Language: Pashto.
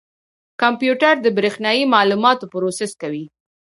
کمپیوټر د برېښنایي معلوماتو پروسس کوي.